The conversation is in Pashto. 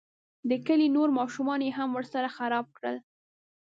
د کلي نور ماشومان یې هم ورسره خراب کړل.